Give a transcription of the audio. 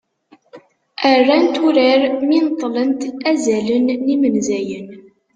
rrant urar mi neṭṭlent "azalen d yimenzayen"